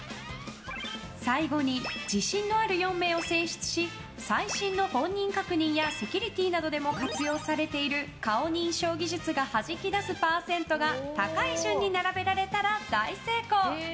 最後に自信のある４名を選出し最新の本人確認やセキュリティーなどでも活用されている顔認証技術がはじき出すパーセントが高い順に並べられたら大成功！